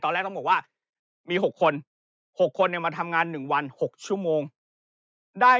ตอนแรกต้องบอกว่ามี๖คน๖คนเนี่ยมาทำงาน๑วัน๖ชั่วโมงได้